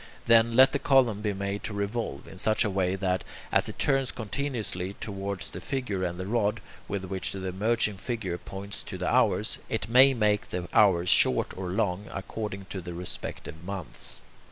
Then let the column be made to revolve, in such a way that, as it turns continuously towards the figure and the rod with which the emerging figure points to the hours, it may make the hours short or long according to the respective months.